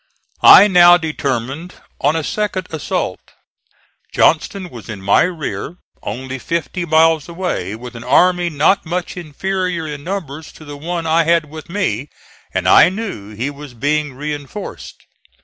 I now determined on a second assault. Johnston was in my rear, only fifty miles away, with an army not much inferior in numbers to the one I had with me, and I knew he was being reinforced.